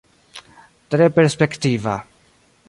Tre perspektiva.